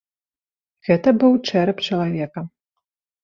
Гэта быў чэрап чалавека.